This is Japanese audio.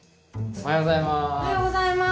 おはようございます。